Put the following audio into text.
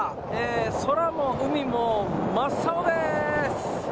空も海も真っ青です。